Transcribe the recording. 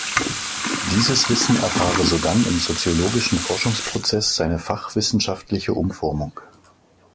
Dieses Wissen erfahre sodann im soziologischen Forschungsprozess seine fachwissenschaftliche Umformung.